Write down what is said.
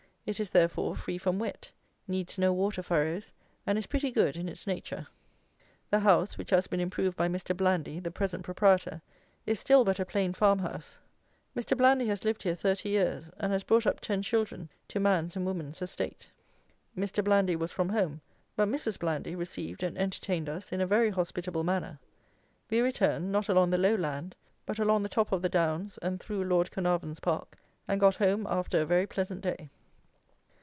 It is, therefore, free from wet; needs no water furrows; and is pretty good in its nature. The house, which has been improved by Mr. Blandy, the present proprietor, is still but a plain farmhouse. Mr. Blandy has lived here thirty years, and has brought up ten children to man's and woman's estate. Mr. Blandy was from home, but Mrs. Blandy received and entertained us in a very hospitable manner. We returned, not along the low land, but along the top of the downs, and through Lord Caernarvon's park, and got home after a very pleasant day.